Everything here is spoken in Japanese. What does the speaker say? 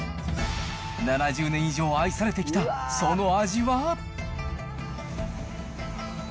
７０年以上愛されてきたその味は。